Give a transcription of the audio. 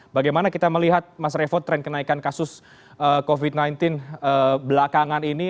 bagaimana kita melihat mas revo tren kenaikan kasus covid sembilan belas belakangan ini